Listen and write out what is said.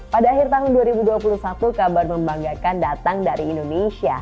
pada akhir tahun dua ribu dua puluh satu kabar membanggakan datang dari indonesia